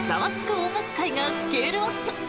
音楽会」がスケールアップ。